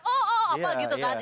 oh apa gitu kan